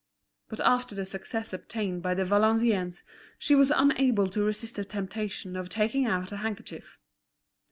But after the success obtained by the Valenciennes she was unable to resist the temptation of taking out a handkerchief.